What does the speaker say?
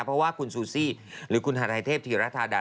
เพราะว่าคุณซูซี่หรือคุณฮาไทเทพธีรธาดา